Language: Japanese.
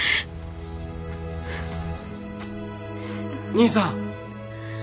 兄さん。